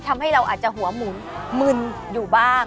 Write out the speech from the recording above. ทำให้เราอาจจะหัวหมุนมึนอยู่บ้าง